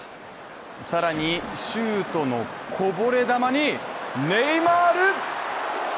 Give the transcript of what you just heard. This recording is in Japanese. さらに、シュートのこぼれ球にネイマール。